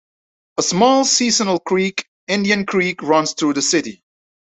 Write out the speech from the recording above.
A small seasonal creek, Indian Creek, runs through the city.